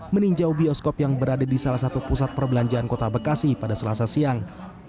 meninjau bioskop yang berada di salah satu pusat perbelanjaan kota bekasi pada selasa siang